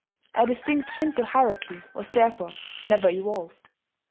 A distinct Shinto hierarchy was therefore never evolved.